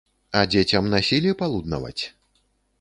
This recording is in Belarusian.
А дзецям насілі палуднаваць?